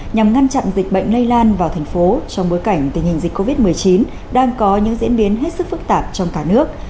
nhằm ngăn chặn dịch bệnh lây lan vào thành phố trong bối cảnh tình hình dịch covid một mươi chín đang có những diễn biến hết sức phức tạp trong cả nước